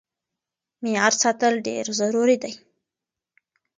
معيار ساتل ډېر ضروري دی.